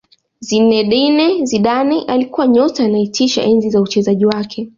Zinedine Zidane alikuwa nyota anayetisha enzi za uchezaji wake